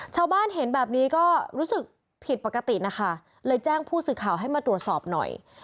ชาวบ้านเห็นแบบนี้ก็ฟิตปกตินะค่ะแจ้งผู้สื่อข่าวให้ตรวจสอบหน่อย